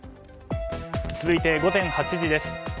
続いて午前８時です。